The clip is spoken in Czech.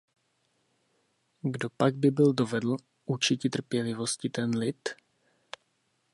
Kdo pak by byl dovedl učiti trpělivosti ten lid?